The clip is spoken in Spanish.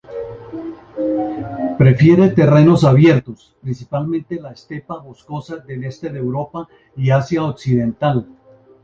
Prefiere terrenos abiertos, principalmente la estepa boscosa del este de Europa y Asia occidental.